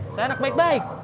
saya anak baik baik